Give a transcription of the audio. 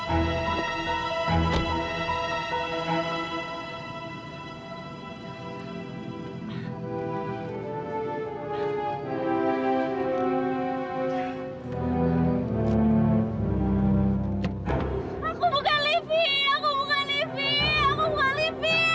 aku bukan lesbi aku bukan lesbi aku bukan lesbi